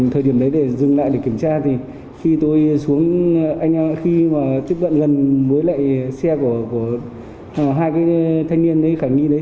thời điểm đấy để dừng lại để kiểm tra thì khi tôi xuống anh em khi mà tiếp cận gần với lại xe của hai cái thanh niên khả nghi đấy